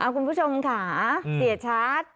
คุณผู้ชมค่ะเสียชัด